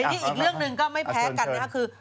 อีกเรื่องนึงก็ไม่แพ้กันนะคือ